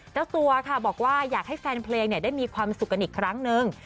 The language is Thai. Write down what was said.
เจ้าตัวค่ะบอกว่าอยากให้แฟนเพลงได้มีความสุขกันอีกครั้งนึง